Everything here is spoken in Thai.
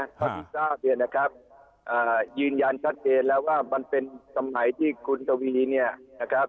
เท่าที่ทราบเนี่ยนะครับยืนยันชัดเจนแล้วว่ามันเป็นสมัยที่คุณทวีเนี่ยนะครับ